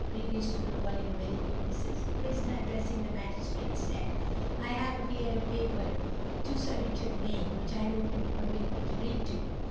Previous to the calling of any witnesses, the prisoner, addressing the magistrates, said: I have here a paper to Sir Richard Mayne, which I hope you will permit me to read to you.